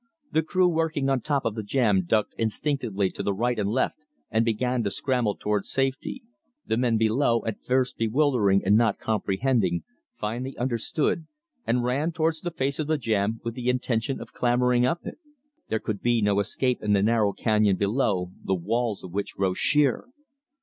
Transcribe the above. The crew working on top of the jam ducked instinctively to right and left and began to scramble towards safety. The men below, at first bewildered and not comprehending, finally understood, and ran towards the face of the jam with the intention of clambering up it. There could be no escape in the narrow canyon below, the walls of which rose sheer.